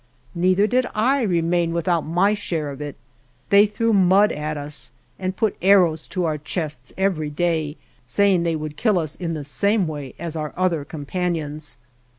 Neither did I remain without my share of it. They threw mud at us, and put arrows to our chests every day, saying they would kill us in the same way as our other companions.